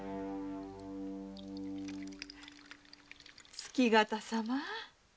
月形様